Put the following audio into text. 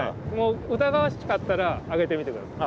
疑わしかったら上げてみて下さい。